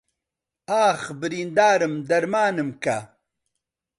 ئاخ بریندارم دەرمانم کە